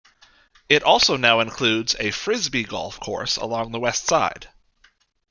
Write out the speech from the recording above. It also now includes a frisbee golf course along the west side.